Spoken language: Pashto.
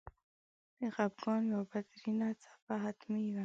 د خپګان یوه بدترینه څپه حتمي وه.